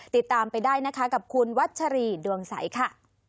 ติดตามไปได้นะคะกับคุณวัชรีดวงใสค่ะ